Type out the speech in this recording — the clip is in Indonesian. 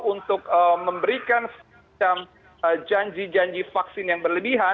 untuk memberikan janji janji vaksin yang berlebihan